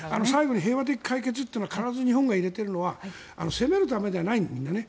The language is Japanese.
最後に平和的解決と必ず日本が入れているのは攻めるためではない。